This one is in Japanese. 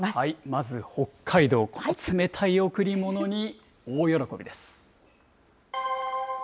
まず北海道、冷たい贈り物に大喜びです。